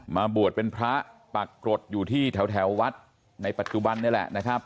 มาบวชเป็นพระปรากฏอยู่ที่แถววัดในปัจจุบันนี่แหละนะครับ